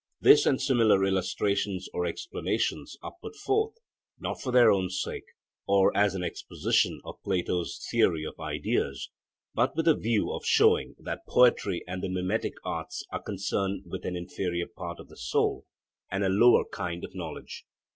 This and similar illustrations or explanations are put forth, not for their own sake, or as an exposition of Plato's theory of ideas, but with a view of showing that poetry and the mimetic arts are concerned with an inferior part of the soul and a lower kind of knowledge.